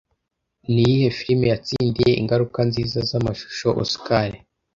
Niyihe firime yatsindiye ingaruka nziza zamashusho Oscar